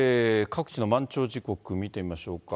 各地の満潮時刻見てみましょうか。